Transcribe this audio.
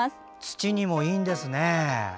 土にもいいんですね。